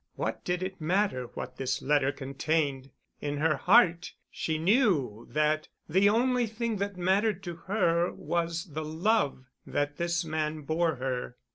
What did it matter what this letter contained? In her heart she knew that the only thing that mattered to her was the love that this man bore her.